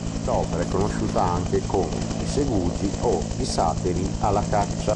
L'opera è conosciuta anche come I segugi o I satiri alla caccia.